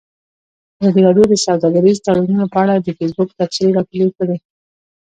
ازادي راډیو د سوداګریز تړونونه په اړه د فیسبوک تبصرې راټولې کړي.